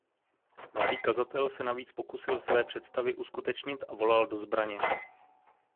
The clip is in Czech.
Mladý kazatel se navíc pokusil své představy uskutečnit a volal do zbraně.